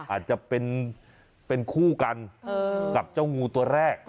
อาจจะเป็นคู่กันกับเจ้างูตัวแรก